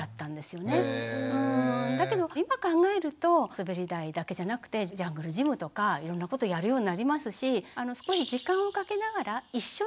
だけど今考えるとすべり台だけじゃなくてジャングルジムとかいろんなことやるようになりますし。